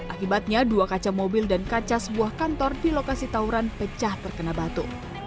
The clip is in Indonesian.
akibatnya dua kaca mobil dan kaca sebuah kantor di lokasi tauran pecah terkena batu